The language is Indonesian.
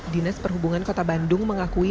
dinas perhubungan kota bandung mengakui